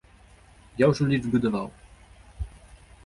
Я ўжо лічбы даваў.